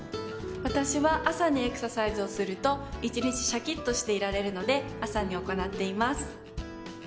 私は朝にエクササイズをすると１日シャキッとしていられるので朝に行っています。